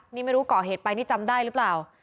นี่ไม่รู้ก่อเหตุไปนี่จำได้หรือเปล่า